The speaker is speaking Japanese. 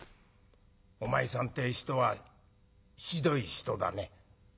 お前さんって人はひどい人だね」。